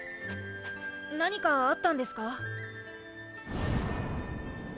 何かあったんですか？